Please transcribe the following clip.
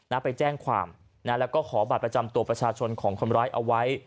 ไปแจ้งความนะแล้วก็ขอบัตรประจำตัวประชาชนของคนร้ายเอาไว้